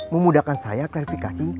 memudahkan saya klarifikasi